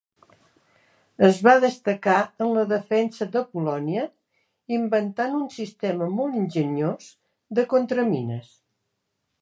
Es va destacar en la defensa d'Apol·lònia inventant un sistema molt enginyós de contramines.